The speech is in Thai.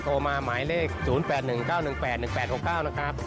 โทรมาหมายเลข๐๘๑๙๑๘๑๘๖๙นะครับ